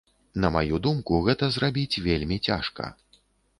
На маю думку, гэта зрабіць вельмі цяжка.